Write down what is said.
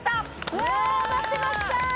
うわ待ってました。